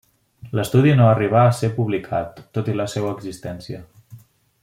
L’estudi no arribà a ser publicat tot i la seua existència.